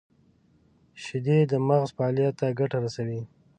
• شیدې د مغز فعالیت ته ګټه رسوي.